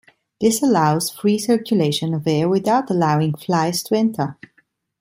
This allows free circulation of air without allowing flies to enter.